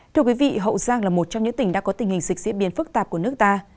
thưa quý vị hậu giang là một trong những tỉnh đã có tình hình dịch diễn biến phức tạp của nước ta